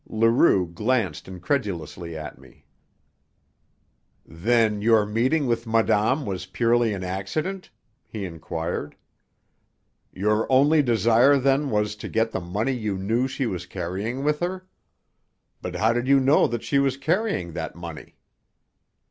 Leroux glanced incredulously at me. "Then your meeting with madame was purely an accident?" he inquired. "Your only desire, then, was to get the money you knew she was carrying with her? But how did you know that she was carrying that money?"